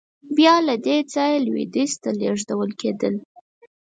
بیا له دې ځایه لوېدیځ ته لېږدول کېدل.